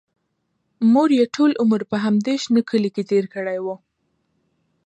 مور یې ټول عمر په همدې شنه کلي کې تېر کړی و